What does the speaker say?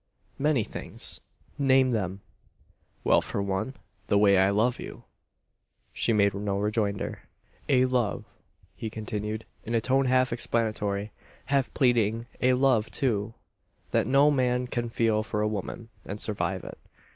"Many things." "Name them!" "Well, for one the way I love you." She made no rejoinder. "A love," he continued, in a tone half explanatory, half pleading; "a love, Loo, that no man can feel for a woman, and survive it.